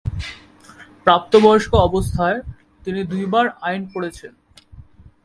প্রাপ্তবয়স্ক অবস্থায়, তিনি দুইবার আইন পড়েছেন।